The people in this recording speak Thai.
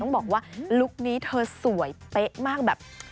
บอกว่าลุคนี้เธอสวยเป๊ะมากแบบ